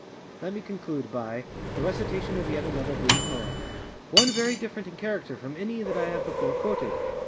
Let me conclude byŌĆöthe recitation of yet another brief poemŌĆöone very different in character from any that I have before quoted.